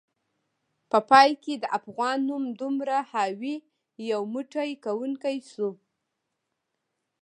په پای کې د افغان نوم دومره حاوي، یو موټی کونکی شو